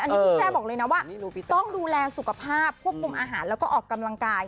อันนี้พี่แจ้บอกเลยนะว่าต้องดูแลสุขภาพควบคุมอาหารแล้วก็ออกกำลังกาย